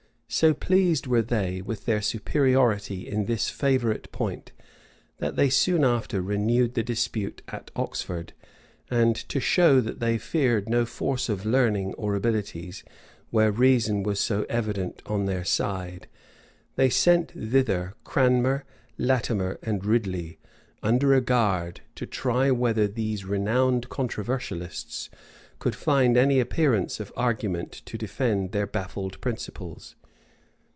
So pleased were they with their superiority in this favorite point, that they soon after renewed the dispute at Oxford; and, to show that they feared no force of learning or abilities, where reason was so evident on their side, they sent thither Cranmer, Latimer, and Ridley, under a guard, to try whether these renowned controversialists could find any appearance of argument to defend their baffled principles.